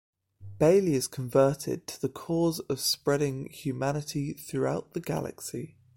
Baley is converted to the cause of spreading humanity throughout the galaxy.